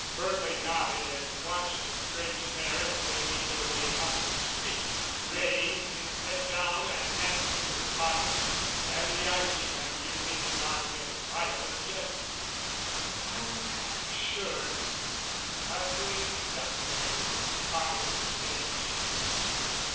Berkely nodded and watched the strange pair as they made their way up the street. Wray, his head down and hands in his pockets, and the Irishman using his arms in violent gestures. "I'm sure it's an ugly duckling," commented the sage.